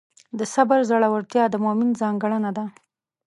د صبر زړورتیا د مؤمن ځانګړنه ده.